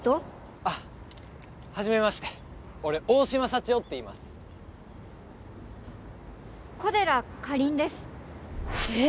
あっはじめまして俺大島サチオっていいます小寺カリンですえっ？